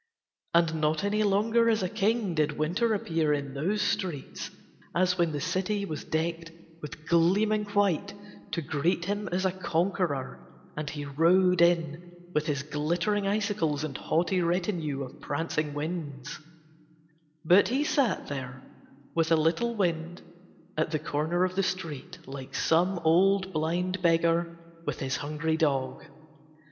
And not any longer as a king did Winter appear in those streets, as when the city was decked with gleaming white to greet him as a conqueror and he rode in with his glittering icicles and haughty retinue of prancing winds, but he sat there with a little wind at the corner of the street like some old blind beggar with his hungry dog.